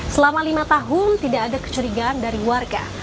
selama lima tahun tidak ada kecurigaan dari warga